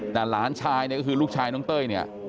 แต่หลานชายเนี่ยก็คือลูกชายน้องเต้ยเนี่ย